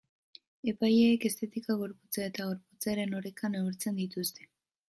Epaileek estetika, gorputza eta gorputzaren oreka neurtzen dituzte.